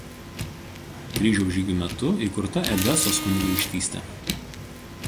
Kryžiaus žygių metu įkurta Edesos kunigaikštystė.